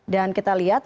dan kita lihat